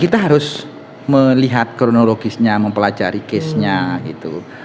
kita harus melihat kronologisnya mempelajari case nya gitu